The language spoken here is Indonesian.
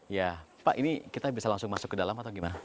ya pak ini kita bisa langsung masuk ke dalam atau gimana